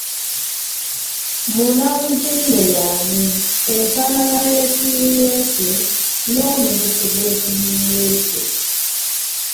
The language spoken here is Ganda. Munnabuzimbe y’ani, enfaanana y’ekiyiiye kye, n’omunyusi gw’ekiyiiye kye.